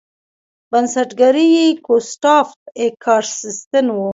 بنسټګر یې ګوسټاف ای کارستن و.